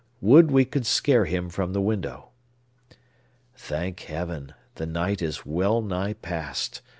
Would we could scare him from the window! Thank Heaven, the night is well nigh past!